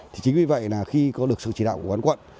thì chính vì vậy là khi có được sự chỉ đạo của quán quận